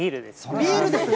ビールですね。